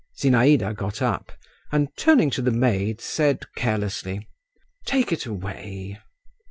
Zinaïda got up, and turning to the maid said carelessly, "Take it away."